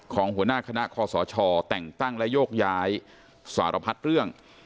หัวหน้าคณะคอสชแต่งตั้งและโยกย้ายสารพัดเรื่อง